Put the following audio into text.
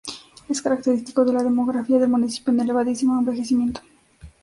Es característico de la demografía del municipio un elevadísimo envejecimiento.